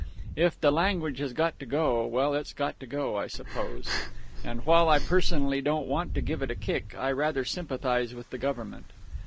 If the language has got to go, well, it's got to go, I suppose; and while I personally don't want to give it a kick, I rather sympathise with the Government.